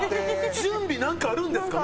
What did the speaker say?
準備なんかあるんですかね？